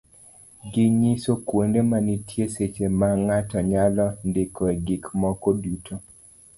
ginyiso kuonde ma nitie seche ma ng'ato nyalo ndikoe gik moko duto.